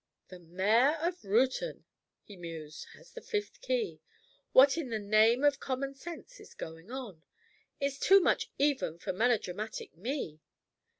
"The mayor of Reuton," he mused, "has the fifth key. What in the name of common sense is going on? It's too much even for melodramatic me."